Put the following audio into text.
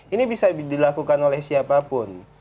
ini bisa dilakukan oleh siapapun